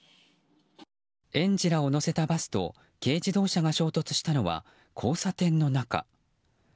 園児らを乗せたバスと軽自動車が衝突したのは交差点の中。